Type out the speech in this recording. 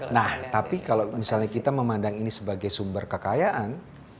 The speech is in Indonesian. nah tapi kalau misalnya kita memandang ini sebagai sumber kekayaan